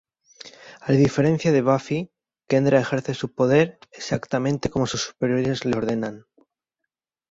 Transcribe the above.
A diferencia de Buffy, Kendra ejerce su poder "exactamente como sus superiores le ordenan".